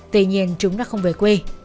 tuy nhiên chúng đã không về quê